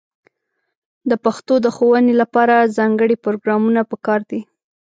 د پښتو د ښوونې لپاره ځانګړې پروګرامونه په کار دي.